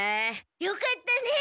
よかったね。